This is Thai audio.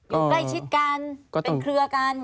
อยู่ใกล้ชิดกันเป็นเครือกัน